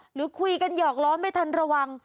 หรือคุยกันหยอกล้อไม่ทันระวัง